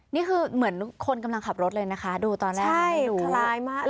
นี่คือเหมือนคนกำลังขับรถเลยนะคะดูตอนแรกดูคล้ายมากเลย